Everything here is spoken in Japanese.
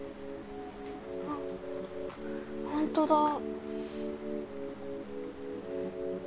あっほんとだ。